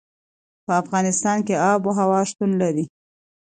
په افغانستان کې آب وهوا شتون لري.